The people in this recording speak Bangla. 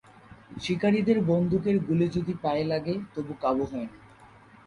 শিকারিদের বন্দুকের গুলি যদি পায়ে লাগে, তবু কাবু হয় না।